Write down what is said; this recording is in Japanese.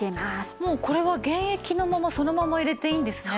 もうこれは原液のままそのまま入れていいんですね。